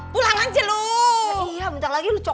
pulang aja lu